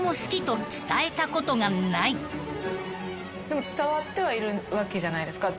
でも伝わってはいるわけじゃないですか。